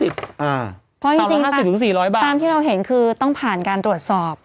เพราะจริง๕๐๔๐๐บาทตามที่เราเห็นคือต้องผ่านการตรวจสอบ